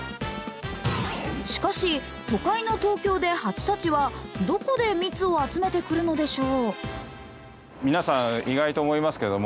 しかし、都会の東京で蜂たちはどこで蜜を集めてくるのでしょう。